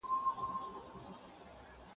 آیا د بشریت حماقت همیشگی دی؟